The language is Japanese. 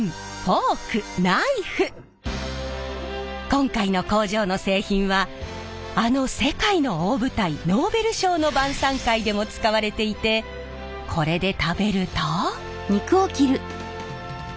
今回の工場の製品はあの世界の大舞台ノーベル賞の晩さん会でも使われていてこれで食べると。